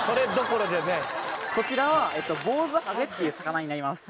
こちらはボウズハゼっていう魚になります。